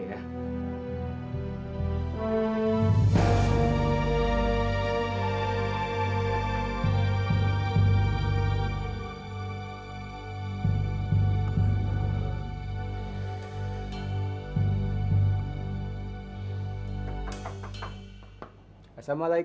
ini yang seperti terasa